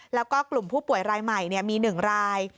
แล้วก็กลุ่มผู้ป่วยรายใหม่มี๑ราย